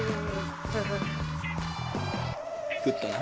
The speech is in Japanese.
食ったな？